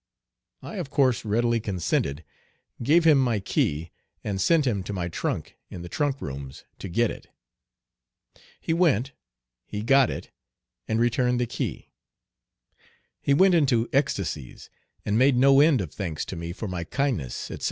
I of course readily consented, gave him my key, and sent him to my trunk in the trunk rooms to get it. He went. He got it, and returned the key. He went into ecstasies, and made no end of thanks to me for my kindness, etc.